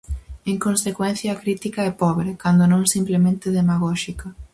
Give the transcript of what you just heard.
En consecuencia a crítica é pobre, cando non simplemente demagóxica.